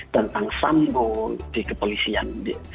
tentang sambo di kepolisian